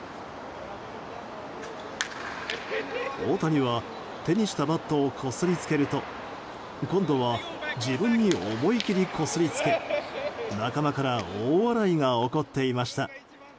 大谷は手にしたバットをこすりつけると今度は自分に思いきりこすりつけ仲間から大笑いが起こっていました。